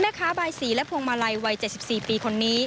แม่ค้าบายศรีและพวงมาลัยวัย๗๔ปีคนนี้